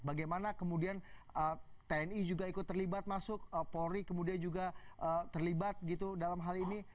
bagaimana kemudian tni juga ikut terlibat masuk polri kemudian juga terlibat gitu dalam hal ini